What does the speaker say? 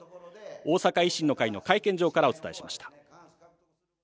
大阪維新の会の会見場からお伝えしました。